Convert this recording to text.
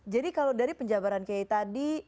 jadi kalau dari penjabaran kiai tadi